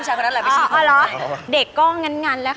มันยิงแงงละ